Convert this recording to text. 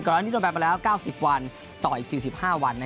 ก่อนแล้วดูลแบนละ๙๐วันต่ออีก๔๕วัน